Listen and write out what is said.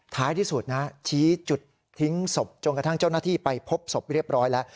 ท้ายที่สุดนะชี้จุดทิ้งศพจนกระทั่งเจ้าหน้าที่ไปพบศพเรียบร้อยแล้ว